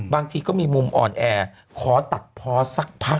บางทีก็มีมุมอ่อนแอขอตัดพอสักพัก